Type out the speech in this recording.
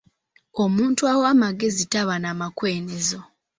Omuntu ow'amagezi taba na makwenezo.